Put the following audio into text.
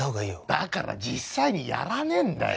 だから実際にやらねえんだよ！